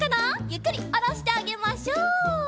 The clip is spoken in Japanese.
ゆっくりおろしてあげましょう。